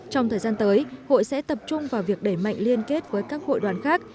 trong thời gian tới hội sẽ tập trung vào việc đẩy mạnh liên kết với các hội đoàn khác